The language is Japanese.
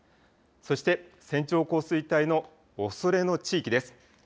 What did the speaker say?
そして線状降水帯のおそれの地域です。